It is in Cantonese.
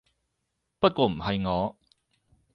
不過唔係我